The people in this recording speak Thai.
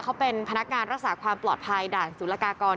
เขาเป็นพนักงานรักษาความปลอดภัยด่านสุรกากร